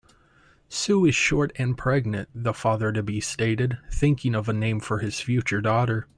"Sue is short and pregnant", the father-to-be stated, thinking of a name for his future daughter.